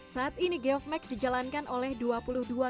yang kedua ya adalah kepercayaan investor kepada kita itu belum ada